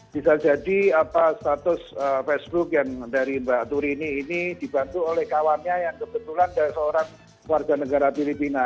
bisa jadi status facebook yang dari mbak turini ini dibantu oleh kawannya yang kebetulan dari seorang warga negara filipina